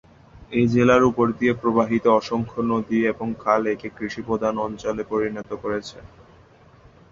এ জেলার উপর দিয়ে প্রবাহিত অসংখ্য নদী এবং খাল একে কৃষিপ্রধান অঞ্চলে পরিণত করেছে।